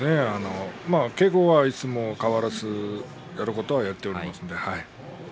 稽古も変わらずやることをやっておりますので。